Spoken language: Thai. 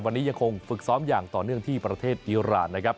วันนี้ยังคงฝึกซ้อมอย่างต่อเนื่องที่ประเทศอีรานนะครับ